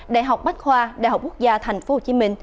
đại học bách khoa đại học quốc gia tp hcm